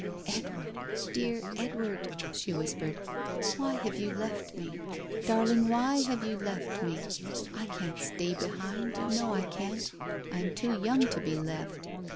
"Edward — dear Edward !" she whispered, "why have you left me? Darling, why have you left me? J can't stay behind — you know I can't. I am too young to be left.